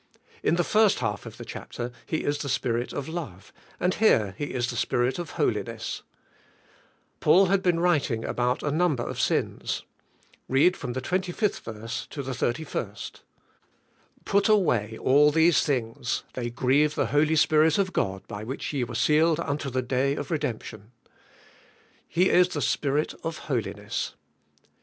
In the first half of the chapter He is the Spirit of love, here He is the Spirit of holiness, 68 th:^ spirituai, life. Paul had been writing* about a number of sins. Read from the 25th verse to the 31st. Put away all these things; they grieve the Hol}^ Spirit of God by which ye were sealed unto the day of redemption. He is the Spirit of holiness.